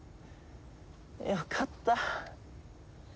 よかった。